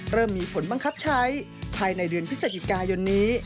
เริ่มมีผลบังคับใช้ภายในเดือนพฤศจิกายนนี้